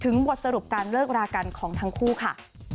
บทสรุปการเลิกรากันของทั้งคู่ค่ะ